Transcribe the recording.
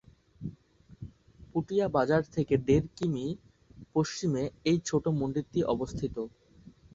পুঠিয়া বাজার থেকে দেড় কি:মি: পশ্চিম দিকে ছোট এই মন্দিরটি অবস্থিত।